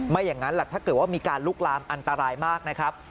อย่างนั้นแหละถ้าเกิดว่ามีการลุกลามอันตรายมากนะครับ